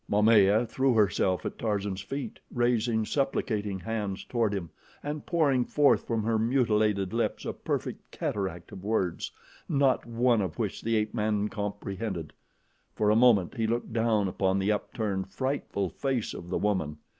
Momaya threw herself at Tarzan's feet, raising supplicating hands toward him and pouring forth from her mutilated lips a perfect cataract of words, not one of which the ape man comprehended. For a moment he looked down upon the upturned, frightful face of the woman.